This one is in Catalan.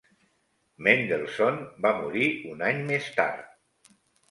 Mendelssohn va morir un any més tard.